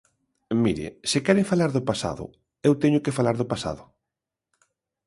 Mire, se queren falar do pasado, eu teño que falar do pasado.